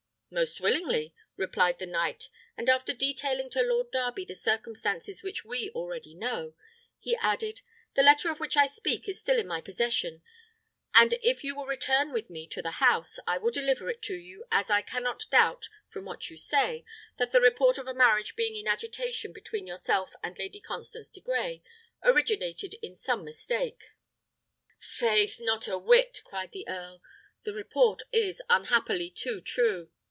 "Most willingly," replied the knight; and after detailing to Lord Darby the circumstances which we already know, he added: "The letter of which I speak is still in my possession, and if you will return with me to the house, I will deliver it to you, as I cannot doubt, from what you say, that the report of a marriage being in agitation between yourself and Lady Constance de Grey originated in some mistake." "Faith, not a whit!" cried the earl; "the report is unhappily too true.